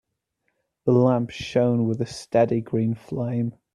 The lamp shone with a steady green flame.